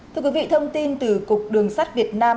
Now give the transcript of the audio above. thưa quý vị thông tin từ cục đường sắt việt nam